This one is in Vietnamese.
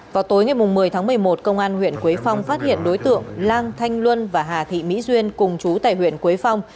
vào tối ngày một mươi tháng một mươi một công an huyện quế phong phát hiện đối tượng lan thanh luân và hà thị mỹ duyên cùng chú tại huyện quế phong